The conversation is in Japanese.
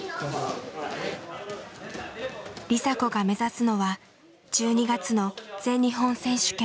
梨紗子が目指すのは１２月の全日本選手権。